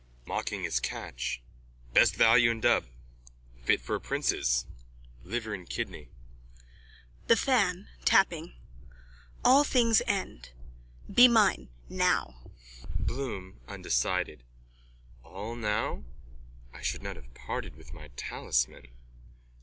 _ Mocking is catch. Best value in Dub. Fit for a prince's. Liver and kidney. THE FAN: (Tapping.) All things end. Be mine. Now. BLOOM: (Undecided.) All now? I should not have parted with my talisman.